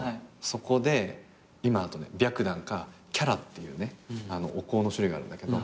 そこで今だとね白檀か伽羅っていうねお香の種類があるんだけど。